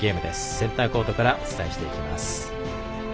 センターコートからお伝えしていきます。